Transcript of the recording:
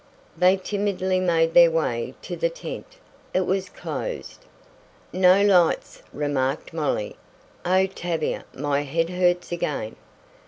They timidly made their way to the tent. It was closed! "No lights," remarked Molly. "Oh, Tavia. My head hurts again!"